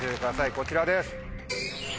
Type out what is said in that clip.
こちらです。